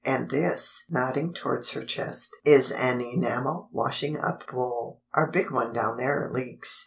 And this" (nodding towards her chest) "is an enamel washing up bowl. Our big one down there leaks."